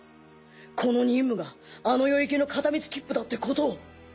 この任務があの世行きの片道切符だってことを！